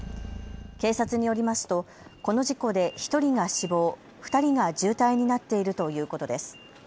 警察によりますとこの事故で１人が死亡、２人が重体になっているということです。